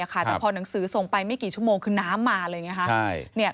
แต่พอหนังสือส่งไปไม่กี่ชั่วโมงคือน้ำมาเลยไงคะ